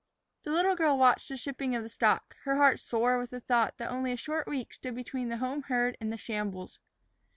The little girl watched the shipping of the stock, her heart sore with the thought that only a short week stood between the home herd and the shambles.